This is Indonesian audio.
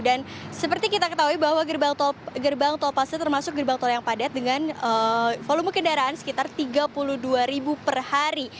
dan seperti kita ketahui bahwa gerbang tol paster termasuk gerbang tol yang padat dengan volume kendaraan sekitar tiga puluh dua ribu per hari